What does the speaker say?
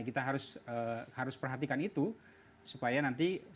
kita harus perhatikan itu supaya nanti